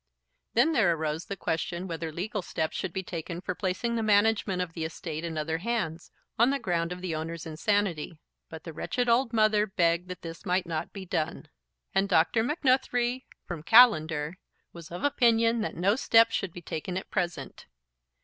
Then there arose the question whether legal steps should be taken for placing the management of the estate in other hands, on the ground of the owner's insanity. But the wretched old mother begged that this might not be done; and Dr. Macnuthrie, from Callender, was of opinion that no steps should be taken at present.